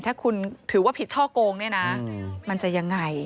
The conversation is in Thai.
ถ้าคุณถือว่าผิดช่อโกงเนี่ยนะมันจะยังไง